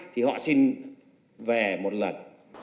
trước thực trạng đó bài toán là một lần